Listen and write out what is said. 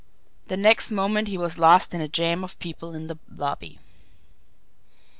The next moment he was lost in a jam of people in the lobby.